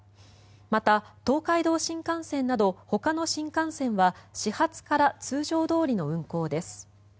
また、東海道新幹線などほかの新幹線は始発から通常どおりの運行です。